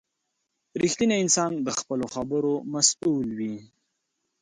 • رښتینی انسان د خپلو خبرو مسؤل وي.